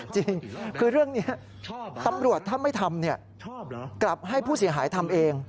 จริงคือเรื่องนี้ตำรวจถ้าไม่ทำกลับให้ผู้เสียหายทำเอง